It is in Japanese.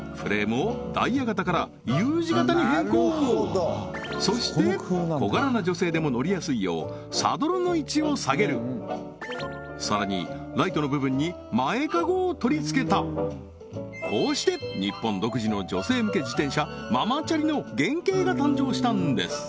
そうそして小柄な女性でも乗りやすいようサドルの位置を下げるさらにライトの部分に前カゴを取り付けたこうして日本独自の女性向け自転車ママチャリの原型が誕生したんです